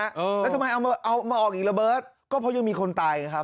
แล้วทำไมเอามาออกอีกระเบิร์ตก็เพราะยังมีคนตายไงครับ